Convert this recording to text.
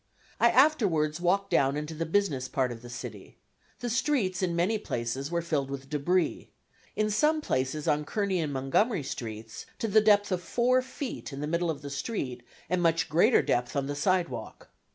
I afterwards walked down into the business part of the city. The streets in many places were filled with debris in some places on Kearny and Montgomery streets to the depth of four feet in the middle of the street and much greater depth on the sidewalk.